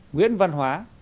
nguyễn văn hóa